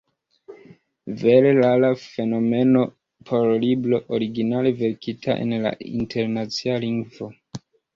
Vere rara fenomeno por libro, originale verkita en la internacia lingvo!